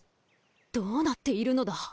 どうなっているのだ。